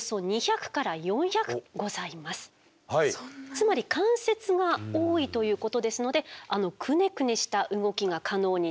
つまり関節が多いということですのであのクネクネした動きが可能になるわけですね。